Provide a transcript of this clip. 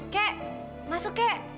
ke masuk ke